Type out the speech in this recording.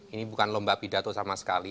ini bukan lomba pidato sama sekali